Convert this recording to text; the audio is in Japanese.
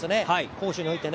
攻守において。